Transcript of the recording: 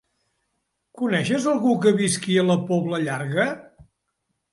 Coneixes algú que visqui a la Pobla Llarga?